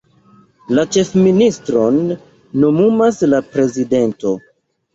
La ĉefministron nomumas la prezidento.